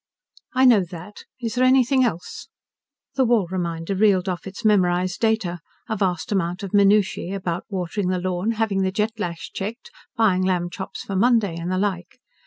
"I know that. Is there anything else?" The Wall reminder reeled off its memorized data a vast amount of minutiae about watering the lawn, having the Jet lash checked, buying lamb chops for Monday, and the like.